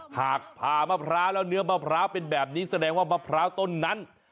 หากผ่ามะพร้าวแล้วเนื้อมะพร้าวเป็นแบบนี้แสดงว่ามะพร้าวต้นนั้น